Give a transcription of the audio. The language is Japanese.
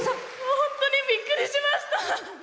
本当にびっくりしました。